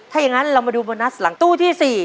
ถ้าอย่างนั้นเรามาดูโบนัสหลังตู้ที่๔